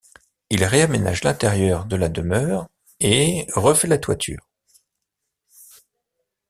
Il réaménage l'intérieur de la demeure et refait la toiture.